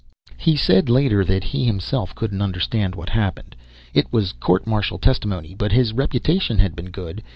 He said later that he himself couldn't understand what happened. It was court martial testimony, but his reputation had been good.